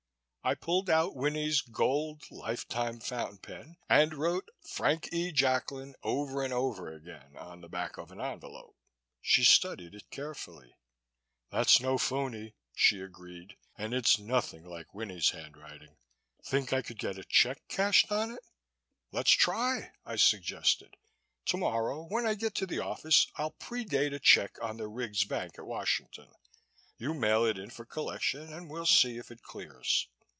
I pulled out Winnie's gold, life time fountain pen and wrote "Frank E. Jacklin" over and over again on the back of an envelope. She studied it carefully. "That's no phony," she agreed, "and it's nothing like Winnie's handwriting. Think I could get a check cashed on it?" "Let's try," I suggested. "Tomorrow when I get to the office I'll pre date a check on the Riggs Bank at Washington. You mail it in for collection and we'll see if it clears."